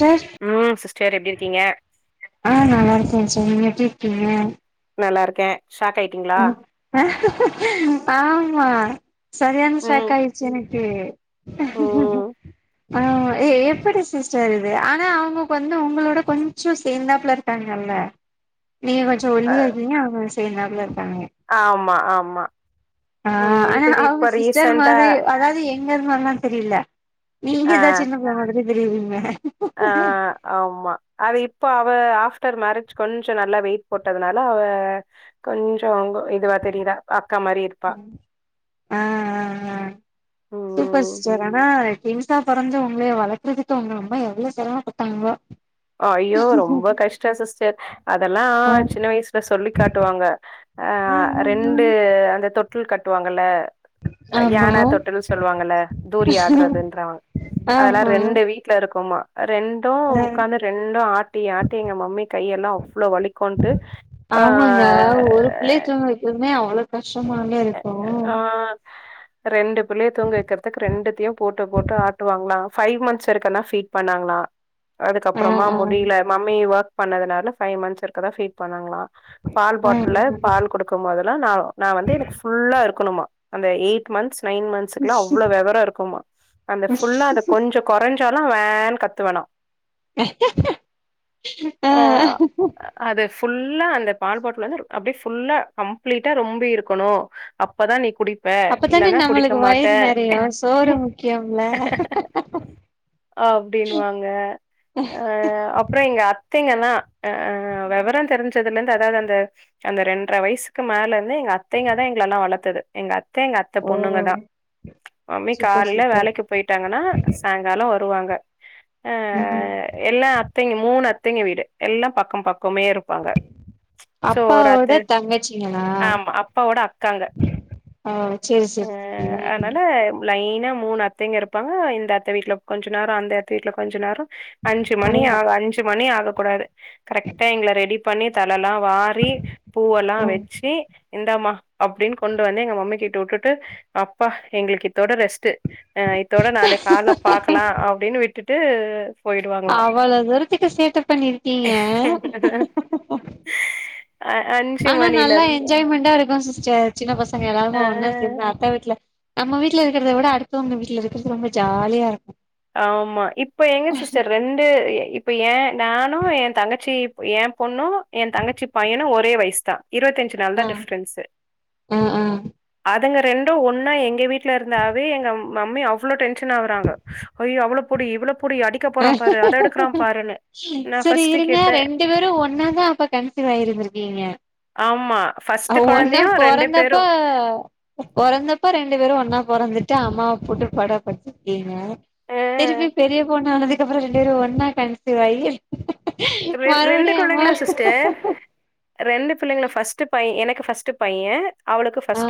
ஜர் ம் சிஸ்டர் எப்டி இருக்கீங்க ஆ நல்லா இருக்கோம் சர் நீங்க எப்படி இருக்கீங்க நல்லா இருக்கேன் ஷாக்கய் ஆமா சரியான ம் சாக்கா இச்சு எனக்கு ம் ஆ ஏ எப்படி சிஸ்டர் இது ஆனா அவங்க வந்து உங்களோட கொஞ்சோ சேர்ந்தாப்புல இரு ட்டாங்கல்ல நீங்க கொஞ்சோ அ ஒள்ளியா இருக்கீங்க அவங்க செய்ந்தாப்ல இருக்காங்க ஆமா ஆமா ஆ ம் இப்ப ஆனா இது அவங்க இப்ப சிஸ்டர் ரீசன்டா மாரி அதாது எங்கர் மார்லாம் தெரியில ஆ நீங்கதா ஜின்ன புள்ள மாதிரி தெரியுறீங்க ஆ ஆமா அது இப்போ அவ ஆஃப்டர் மேரேஜ் கொஞ்சோ நல்லா வெயிட் போட்டதுனால அவ கொஞ்சோம் இதுவா தெரியுறா அக்கா மாரி இரு ம் சூப்பர் ம் ஸ்டர் ஆனா யெங்ஸ்டா பொறஞ்சு உங்ளே வளக்கறதுக்கு உங்க அம்மா எவ்ளோ செரமா பட்டாங்களோ ஆ ஐயோ ரொம்ப கஷ்டம் சிஸ்டர் அதெல்லாம் ம் ஜின்ன வயசுல சொல்லி காட்டுவாங்க ஆ ம் ரெண்டு ம் அந்த தொட்டுல் கட்டுவாங்கல ஆமா யானா தொட்டில் சொல்லுவாங்கல்ல தூரி ஆடுறதுன்றவங் அதெல்லா ஆமா ரெண்டு வீ ட்டுலருக்குமா ரெண்டும் அ கான ரெண்டும் ஆட்டி ஆட்டி எங்க மம்மி கையெல்லாம் அவ்ளோ வலிக்கோண்ட்டு ஆ அ எப்போதுமே அவ்ளோ கஷ்டமாமே இருக்கும் ஆ ரெண்டு புள்ளைய தூங்க வைக்கிறதுக்கு ரெண்டுத்தையும் போட்டு போட்டு ஆட்டுவாங்லாம் ஃபைவ் மந்த்ஸ் வரைக்கும் தா ஃபீட் பண்ணாங்களா ஆ அதுக்கப்புறமா ஆ முடியில மம்மி ஒர்க் பண்ணதுனால ஃபைவ் மந்த்ஸ் வரக்கும்தான் ஃபீட் பண்ணாங்களா பால் பாட்டுலு ஆ பால் குடுக்கும் போதெல்லா நா நா வந்து எனக்கு ஃபுல்லா இருக்கணுமா அந்த எயிட் மந்த்ஸ் நைன் மந்த் ஸ்குல்லா அவ்ளோ வெவரோ இருக்குமா அந்த ஃபுல்லா அத கொஞ்சோ கொறஞ்சாலு வேன்னு கத்து வெணா ஆ அதுஸ் ஃபுல்லா அந்த பால் பாட்டல வந்து அப்டியே ஃபுல்லா கம்ப்ளீட்டா ரொம்பி இருக்கணு அப்பதா நீ குடி ப்ப அப்பதானே இல்லன்னா குடிக்க நம்மளுக்கு மாட்ட வயிறு நெறையு சோறு முக்கியம்ல ஆ அப்டின்னு வாங்க ஆ அப் அப்றோ எங்க அத்தைங்கல்லா அ வெவரம் தெரிஞ்சதுல இருந் அதாவது அந்த அந்த ரெண்ற வயிசுக்கு மேல இருந்து எங்க அத்தைங்க தா எங்கள எல்லா வளத்தது எங்க அத்த எங்க அத்த ஓ பொண்ணுங்கதா மம்மி சூப்பர் காலைல சூப்பர் வேலைக்கு போயிட் ட்டாங்கன்னா சாயிங்காலோ வருவாங்க அ ம் எல்லா அத்தைங்க மூணு அத்தைங்க வீடு எல்லாம் பக்கம் பக்கமே இருப்பாங்க சோ அப்பாவோட ராத்து தங்கச்சிங்களா ஆமா அப் அக்காங்க ஓ சேரி அ சேரி சேரிங்க அதனால அ லைனா மூணு அத்தைங்க இருப்பாங்க இந்த அத்த வீட்ல கொஞ்ச நேரோ அந்த அத்த வீட்ல கொஞ்ச நேரோ அஞ்சு மணி ஆகு அடேங்கப்பா அஞ்சு மணி ஆக கூடாது கரெக்டா எங்கள ரெடி பண்ணி தலலா வாரி பூவல்லா ம் வெச்சி இந்தாமா அப்டின் கொண்டு வந்து எங்க மம்மி கிட்ட வுட்டுட்டு அப்பா எங்களுக்கு இத் இதோட ரெஸ்ட்டு அ இத்தோட நானு கால்ல பாக்கலா அப்டின்னு விட்டுட்டு போயிடுவாங்களா அவ்வள தூரத்துக்கு சேட்ட பண்ணிருக்கீங்க அ அஞ்சு ஆனா மணில நல்லா இருந்து என்ஜாய்மெண்ட்டா இருக்கு சிஸ்டர் சின்ன பசங்க எல்லாருமா ஒண்ணா அ சேந்தா அத்த வீட்ல நம்ம வீட்ல இருக்கிறத விட அடுத்தவங்க வீட்ல இருக்கறது ரொம்ப ஜாலியா இருக்கு ஆமா இப்ப எங்க சிஸ்டர் ரெண்டு இப்ப எ நானு எ தங்கச்சி ஏம் பொண்ணு எந் தங்கச்சி பையனு ஒரே வயிஸ்தா இருவத்தஞ் ஞ்சு நாள்தா ஆ டிஃப்ரன்ஸ்ஸு ஆ ஆ அதுங்க ரெண்டு ஒன்னா எங்க வீட் ட்ல இருந்தாவே எங்க மம்மி அவ்ளோ டென்ஷன் ஆவுறாங்க ஏ அவ்ள புடி இவ்ள புடி அடிக்க போறாம் பாரு அத எடுக்கறாம் பாருனு சேரி இருங்க ரெண்டு பேரு ஒன்னா தா அப்ப கன்சீவ் ஆயிருந்துருக்கீங்க ஆமா. அ ஃபர்ஸ்ட்டு ஒன்னா குழந்தையும் பொறந்தப்ப பேரும் பொறந்தப்ப ரெண்டு பேரு ஒன்னா பொறந்துட்டு அம்மாவ போட்டு பாட படுத்திருக்கீங்க அ திருப்பி பெரிய பொண்ணா ஆனதுக்கு அப்புறோ ரெண்டு பேரு ஒன்னா கன்சிவாயி ரெ மறுபடியு அம்மா ரெண்டு பிள்ளைங்களு ஃபஸ்ட்டு ஃபை எனக்கு ஃபஸ்ட்டு பைய ஆ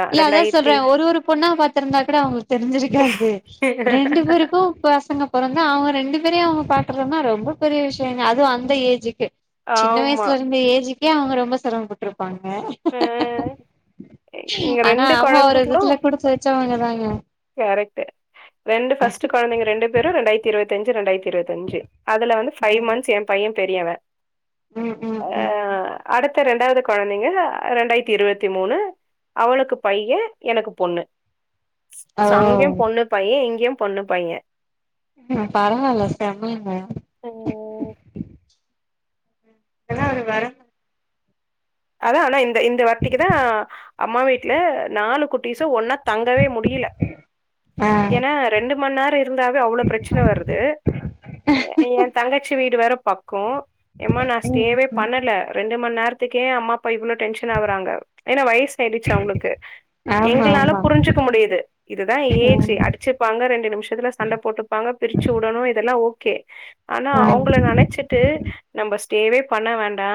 தான். இல்ல அதா சொல்ற ஒரு ஒரு பொண்ணா பாத்துருந்தா கூட அவங்க தெருஞ்சுருக்காது ரெண்டு பேருக்கு பசங்க பொறந்தா அவங்க ரெண்டு பேரையு அவங்க பாக்றனா ரொம்ப பெரிய விஷ்யோங்க அதுவு அந்த ஏஜுக்கு சின்ன ஆமா. வயிசுல இருந்தே ஏஜுக்கே அவங்க ரொம்ப செரமப்பட்ருப்பாங்க அ இங்க ஆனா அம்மா ஒரு கொழந்தைகளும் விதத்துல குடுத்து வெச்சவங்க தாங்க கரெக்ட்டு ரெண்டு ஃபஸ்ட்டு கொழந்தைங்க ரெண்டு பேரு ரெண்டாயிரத்து இருவத்தஞ்சு ரெண்டாயிரத்து இருவத்தஞ்சு அதுல வந்து ஃபைவ் ம் மந்த்ஸ் எம் பைய பெரியவ ம் ம் அ ம் அடுத் த்த ரெண்டாவது கொழந்தைங்க ரெண்டாயிரத்தி இருவத்தி மூணு அவளுக்கு பைய எனக்கு பொண்ணு ஓ சோ அங்கயும் பொண்ணு பைய இங்கியும் பொண்ணு பைய ம் பரவால்ல செம்மங்க ம். இதெல்லா ஒரு வரம் அதா ஆனா இந்த இந்த வாட்டிக்குதா அம்மா வீட்ல நாலு குட்டிஸு ஒன்னா தங்கவே முடில அ ஏனா ரெண்டு மண்நேரோ இருந்தாவே அவ்ளோ பிரச்சன வருது என் தங்கச்சி வீடு வேற பக்கோ எம்மா நா ம் ஸ்டேவே ம் பண்ணல ரெண்டு மண் நேரத்துக்கே அம்மா அப்பா இவ்ளோ டென்ஷன் ஆகுறாங்க ஏனா வயசு ஆயிடுச்சு அவுங்களுக்கு ஆமா எங்களால ஆமா புரிஞ்சுக்க முடியுது இதுதா ஏஜு ம் அ டுச்சுப்பாங்க ரெண்டு நிமிஷத்துல சண்ட போட்டுப்பாங்க பிரிச்சு விடணு இதெல்லா ஓகே ஆனா ஆ அவுங்கள நெனச்சிட்டு நம்ப ஸ்டேவே பண்ண வேண்டா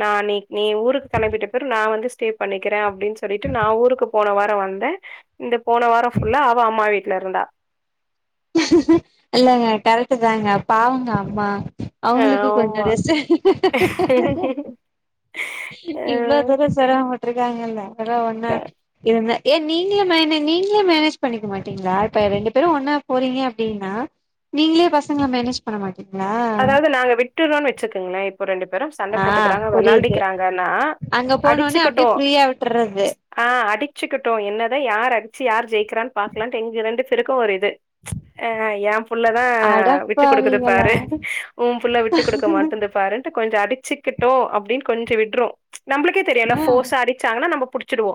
நா நீ நீ ஊருக்கு கெழப்பிட்ட பிறவு நா வந்து ஸ்டே பண்ணிக்கிற அப்டின்னு சொல்லிட்டு நா ஊருக்கு போன வாரோ வந்த இந்த போன வாரோ ஃபுல்லா அவ அம்மா வீட்ல இருந்தா இல்லங்க கரெக்ட்டுதாங்க பாவங்க அம்மா அவுங்களுக்கு கொஞ்சோ ஆமா ரெஸ்ட் இவ்ளோ ஆ தூரோ செரமபட்டிருக்காங்கல்ல அதல்லா ஒன்னா இருந்து ஏ நீங்ளே மேனே நீங்ளே மேனேஜ் பண்ணிக்க மாட்டீங்ளா இப்ப ரெண்டு பேரு ஒன்னா போறீங்க அப்டின்னா நீங்களே பசங்கள மேனேஜ் பண்ண மாட்டீங்ளா அதாவது நாங்க விட்டுறோன்னு வெச்சுக்கோங்ளேன் ஒரு ரெண்டு பேரு சண்ட ஆ போட்டுக்கிறாங்க புரியுது வெளான்டிக்கிறாங்கன்னா அங்க போனோனே அடிச்சுக்கட்டு அப்டியே ஃப்ரீயா விட்டுறது அ அடிச்சுக்கிட்டு என்னதா யார் அடிச்சு யார் ஜெயிக்கிறான் பாக்கலான்ட்டு எங்க ரெண்டு பேருக்கு ஒரு இது அ என் புள்ளதா விட்டு குடுக்குது அடப்பாவிங்களா பாரு உன் புள்ள விட்டு குடுக்க மாட்டந்து பாரு கொஞ்சோ அடிச்சுக்கிட்டோ அப்டின்னு கொஞ்சோ விட்ரோ நம்மளுக்கே தெரியுல ஆ ஃபோர்ஸா அடிச்சாங்கன்னா நம்ம புடுச்சிடுவோ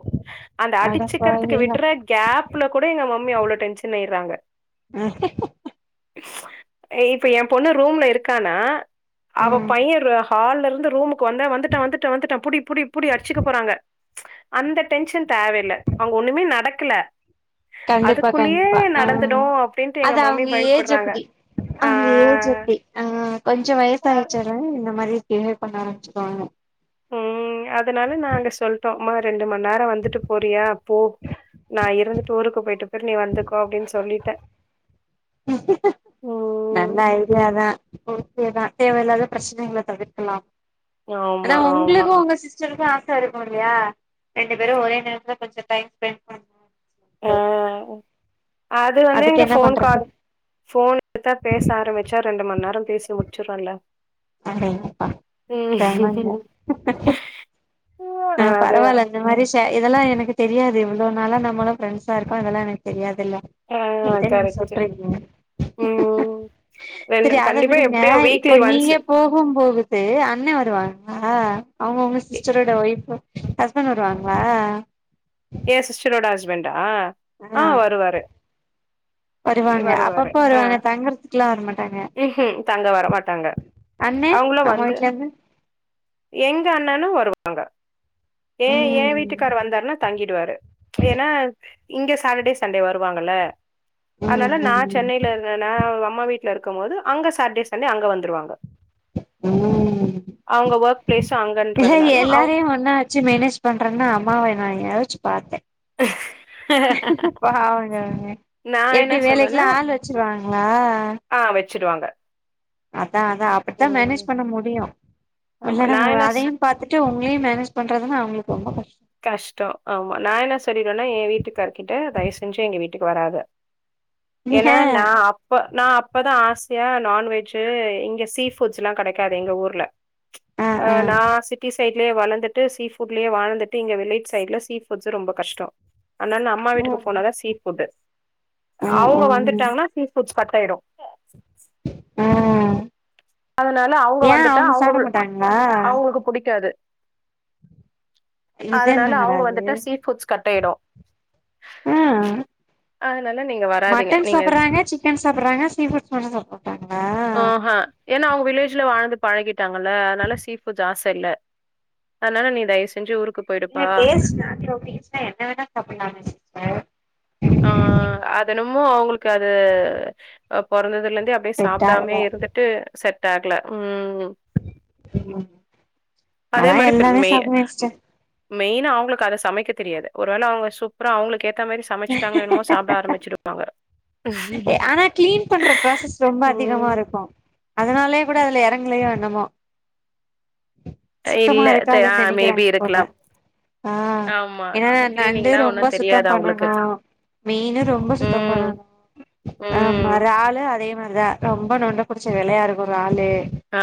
அந்த அடிச்சுக்கிறதுக்கு அடப்பாவிங்களா விட்ற கேப்ல கூட எங்க மம்மி அவ்ளோ டென்ஷன் ஆயிர்றாங்க ம் இப்ப என் பொண்ணு ரூம்ல இருக்கானா அவ ம் பையன் ஹால்ல இருந்து ரூமுக்கு வந்தா வந்துட்டான் வந்துட்டான் வந்துட்டான் புடி புடி புடி அடிச்சுக்க போறாங்க அந்த டென்ஷன் தேவயில்ல அங்க ஒன்னுமே நடக்கல கண்டிப்பா அதுக்குள்ளயே கண்டிப்பா ஆ நடந்துடு அப்டின்ட்டு எங்க அது மம்மி அவங்க பயப்படுறாங்க அ ஓகே அ கொஞ்சோ வயசு ஆயிச்சால இந்த மாரி பிஹேவ் பண்ண ஆரம்பிச்சுருவாங்க ம் அதனால நாங்க சொல் டோ மா ரெண்டு மண் நேரோ வந்துட்டு போறியா போ நா இருந்துட்டு ஊருக்கு போயிட்டு அப்றோ நீ வந்துக்கோ அப்டின்னு சொல்லிட்ட நல்ல ஐடியாதா ஓகேதா தேவையில்லாத பிரச்சனைகள தவிர்க்கலாம் ஆனா ஆமா ஆமா உங்களுக்கு உங்க சிஸ் டர்க்கு ஆச இருக்கு இல்லையா ரெண்டு பேரு ஒரே நேரத்துல கொஞ்சோ டைம் ஸ்பெண்ட் பண் ஆ அது வந்து அதுக்கு எங்க என்ன ஃபோன் பண்றது கார் ஃபோன் எடுத்தா பேச ஆரம்பிச்சா ரெண்டு மண் நேரோ பேசி முச்சிரோல்ல அப்டிங்கப்பா செமங்க ம் அ ஆ அது பரவால்ல இந்த மாதிரி ஷெ இதெல்லா எனக்கு தெரியாது இவ்ளோ நாளா நாமெல்லா ஃப்ரெண்ட்ஸா இருக்கோ இதெல்லா எனக்கு தெரியாதில்ல அ கரெக்ட்டு ம் ரெண்டு செரி அத கண்டிப்பா விடுங்க எப்டியோ வீக்லி இப்ப ஒன்ஸ் நீங்க போகும்போது து அண்ண வருவாங்க அவங்க வுங்க சிஸ்டரோட ஒய்ஃப் ஹஸ்பண்ட் வருவாங்ளா ஏ சிஸ்டரோட ஹஸ்பண்டா ஆ வருவாரு வருவாங்க வருவாரு அப்பப்போ ஆ வருவாங்க தங்குறதுக்குல்லா வரமாட்டாங்க ம்ஹும் தங்க வர மாட்டாங்க அண்ணே அவங்களு நம்ம வந்து வீட்ல இருந்து எங்க அண்ணனு வருவாங்க ஏ ஏ ம் வீட்டுக்கார் வந்தார்னா தங்கிடுவாரு ஏனா இங்க சாட்டடே சண்டே வருவாங்கல்ல அதனால ம் நா ம் சென்னைல நா அம்மா வீட்ல இருக்கும் போது அங்க சாட்டடே சண்டே அங்க வந்துருவாங்க ம் அவங்க ஒர்க் பிளேஸு இ அங்கன்றதுனால அவ் எல்லாரயு என்னாச்சு மேனேஜ் பண்றன்னா அம்மாவ நா யோசிச்சு பாத்தே பாவங்க அவங்க நா எப்டி என்ன சொல்லுவேன்னா வேலைக்குல்லா ஆள் வச்சிருவாங்ளா ஆ வச்சுருவாங்க அதா அதா அப்டித்தா மேனேஜ் பண்ண முடியு ஆமா இல்ல நா நம்ம என்ன சொ அதையு பாத்துட் டு உங்களயு மேனேஜ் பண்றதுனா அவங்களுக்கு ரொம்ப கஷ் கஷ்டோ ஆமா நா என்ன சொல்லிருவனா எ வீட்டுக்காருக்கிட்ட தயவு செஞ்சு எங்க வீட்டுக்கு வராத நீங்க ஏனா நா அப் இப்ப நா அப்பதா ஆசயா நான்வெஜ்ஜி இங்க சீ ஃபுட்ஸ் எல்லா கெடைக்காது எங்க ஊர்ல ஆ நா சிட்டி சைட்லயே வளந்துட்டு சீ ஃபுட்லயே வாழ்ந்துட் டு இங்க வில்லேஜ் சைட்ல சீ ஃபுட்ஸ் ரொம்ப கஷ்ட அதனால நா அம்மா ம் வீட்டுக்கு போனாதா சீ ஃபுட்டு ம் அவங்க ம் வந்துட்டாங்கனா சீ ஃபுட்ஸ் கட்டாயிடு ம் அதனால ஏ அவங்க சாப்ட மாட்டாங்களா க்கு புடிக்காது இது அதனால என்னங்கடா அவங்க இது வந்துட்டா சீ ஃபுட்ஸ் கட்டாயிடு ம் அதனால நீங்க வராதிங்க நீங்க சிக்கன் சாப்புறாங்க சீ ஃபுட்ஸ் மட்டு சாப்ட மாட்டாங்களா ஆஹா ஏனா அவங்க வில்லேஜ்ல வாழ்ந்து பழகிட்டாங்கல்ல அதனால சீ ஃபுட்ஸ் ஆச இல்ல அதனால நீ தயவு செஞ்சு ஊருக்குப் ங்க டேஸ்ட் நாக்குல ஒட்டிகிச்சுனா என்ன வேணா சாப்புலாமே ஆ அதெனமோ அவங்களுக்கு அது பொறந்ததுலேந்தே அப்டியே செட் சாப்டாமே ஆகல இருந்துட் டு செட் ஆகல ம் ம் அதே ஆனா மாரி இப்ப எல்லாமே மெய் சாப்லா சிஸ்டர் மெயினா அவங்களுக்கு அத சமைக்க தெரியாது ஒரு வேள அவங்க சூப்பரா அவங்களுக்கு ஏத்த மாரி சமைச்சுட்டாங்களோ என்னமோ சாப்ட ஆரம்பிச்சு ஆனா கிளீன் பண்ற ப்ராசஸ் ரொம்ப அதிகமா ம் இருக்கு அதனாலயே கூட அதுல எறங்கலயோ எண்ணமோ சுத்தமா இல்ல தெ ஆ இருக்காதுன் மேபி நெனைக்கிறாங் போல இருக்கலாம். ஆ ஆமா. ஏனா நண்டு கிளீனிங்லா ரொம்ப ஒன்னும் சுத்த தெரியாது அவங்களுக்கு. பண்ணணு மீனு ரொம்ப சுத்தம் ம் பண்ணனு ஆமா ம் ராலு அதே மாரிதா ரொம்ப நொண்டு புடிச்ச வேலையா இருக்கும் ராலு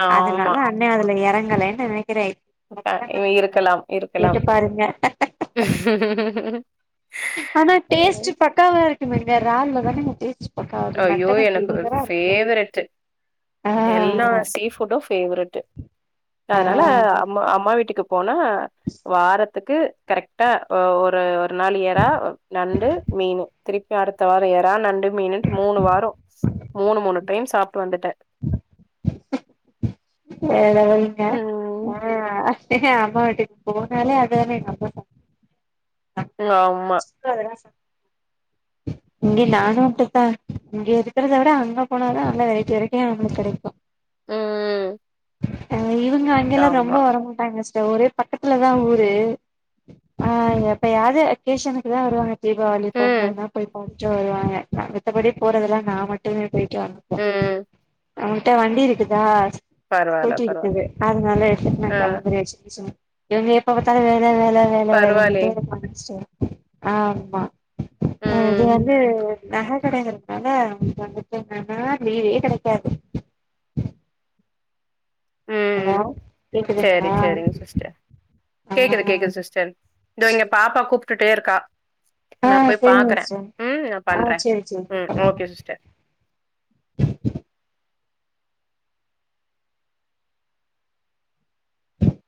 ஆமா. அதனால இன்னு அதுல எறங்கலேன் நெனைக்கிறே இருக்கலாம் இருக்கலாம் கேட்டு பாருங்க ஆனா டேஸ்ட்டு பக்காவா இருக்குமேங்க ரால்ல தானங்க டேஸ்டு க்காது ஐயோ நெட்டனுக்கு எனக்கு நிகரா இருக்கு ஃபேவரெட்டு ஆ எல்லா ஆமா சீ ஃபுட்டு ஃபேவரெட்டு ஆ அதனால அம்மா அம்மா வீட்டுக்கு போனா வாரத்துக்கு கரெக்டா ஒரு நாள் எறா நண்டு மீனு திருப்பி அடுத்த வார எறா நண்டு மீனுன்ட்டு மூணு வார மூணு மூணு டைம் சாப்ட்டு வந்துட்ட எல வைங்க ம் ஆ எ அம்மா வீட்டுக்கு போனாலே அதுதானே எங்கம்மா சம ம் ஆம்மா அததா சமைப் இங்கே நானு அப்டித்தா இங்கே இருக்கிறத விட அங்க போனாதா நல்ல வெரைட்டி வெரைட்டியா நம்மளுக்கு கெடைக்கு ம் ஆ இவங்க அங்கெல்லா ரொம்ப ஆமா வரமாட்டாங்க சிஸ்டர் ஒரே பக்கத்துலதா ஊரு ஆ எப்பயாது அகேஷனுக்குதா வருவாங்க தீபாவளி ம் பொங்கல்னா போய் கும்ப்ட்டு வருவாங்க நாங்க மத்தபடி போறதெல்லா நா மட்டுமே போயிட்டு வண்ட்டோ ம் அவன்ட்ட வண்டி இருக்குதா பரவால்ல ஸ்கூட்டி பரவால்ல இருக்குது அதனால எடுத்துட்டு நா ஆ கெளம்பறே சொல்லி சொ இவங்க எப்ப பாத்தாலு வேல வேல வேல வேலன்ட்டே பரவால்லையே இருப்பாங்க சிஸ்டர் ஆமா இது ம் வந்து நகை கடையில இருக்கனால ஒடம்பு சரில்லனா லீவே கெடைக்காது ஹலோ ம் செரி கேக்குதுங்களா செரிங் சிஸ்டர் ஆ கேக்குது கேக்குது சிஸ்டர் இதோ இங்க பாப்பா கூப்ட்டுட்டே இருக்கா ஆ நா போய் சரிங்க பாக்கறே சிஸ்டர் ம் நா பண்ற ஆ சேரி சேரி ம் கூப்பட்லா ஓகே சிஸ்டர்